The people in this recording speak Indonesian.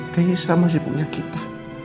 kayaknya saya masih punya kita